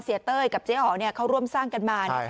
เต้ยกับเจ๊อ๋อเขาร่วมสร้างกันมา